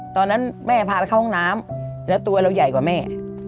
ตอนนั้นแม่พาไปเข้าห้องน้ำแล้วตัวเราใหญ่กว่าแม่